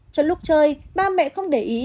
trong lúc chơi ba mẹ không để ý